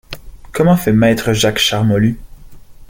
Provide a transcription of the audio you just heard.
Comment fait maître Jacques Charmolue?...